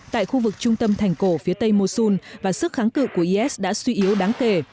tại khu vực trung tâm thành cổ phía tây mosun và sức kháng cự của is đã suy yếu đáng kể